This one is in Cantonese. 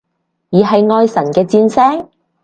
而係愛神嘅箭聲？